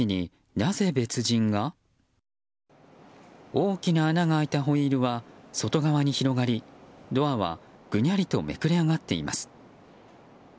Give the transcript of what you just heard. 大きな穴が開いたホイールは外側に広がりドアは、ぐにゃりとめくれ上がっています。